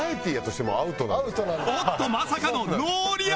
おっと！まさかのノーリアクション